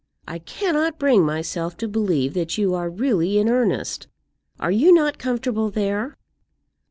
"I cannot bring myself to believe that you are really in earnest. Are you not comfortable there?"